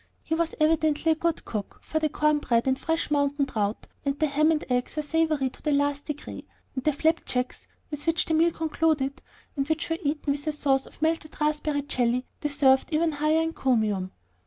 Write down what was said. He was evidently a good cook, for the corn bread and fresh mountain trout and the ham and eggs were savory to the last degree, and the flapjacks, with which the meal concluded, and which were eaten with a sauce of melted raspberry jelly, deserved even higher encomium.